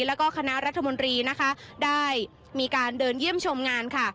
แล้วก็คณะรัฐมนตรีนะคะได้มีการเดินเยี่ยมชมงานค่ะ